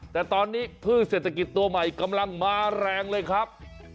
แต่ตอนนี้พืชเศรษฐกิจตัวใหม่กำลังมาแรงเลยครับ